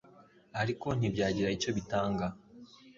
ariko ntibyagira icyo bitanga